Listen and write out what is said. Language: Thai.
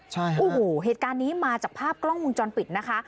โอ้โหเหตุการณ์นี้มาจากภาพกล้องวงจรปิดนะคะ